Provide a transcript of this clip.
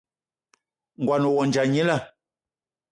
Ngón ohandja gnila